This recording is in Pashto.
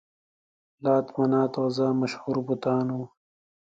لات، منات، عزا مشهور بتان وو.